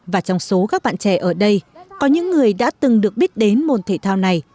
và trong số các bạn trẻ ở đây có những người đã từng được biết đến môn thể thao này